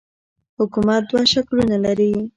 حکومت دوه شکلونه لري.